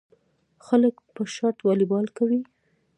خلک په شرط والیبال کوي.